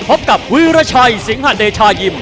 พบกับวีรชัยสิงหะเดชายิม